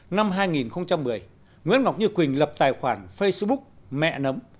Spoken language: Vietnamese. năm hai nghìn một mươi nguyễn ngọc như quỳnh lập tài khoản facebook mẹ nấm